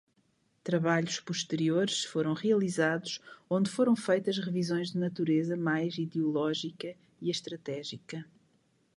Trabalhos posteriores foram realizados onde foram feitas revisões de natureza mais ideológica e estratégica.